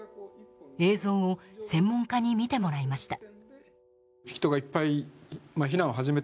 映像を専門家に見てもらいました。